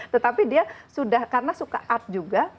tetapi dia sudah karena suka art juga